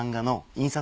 印刷！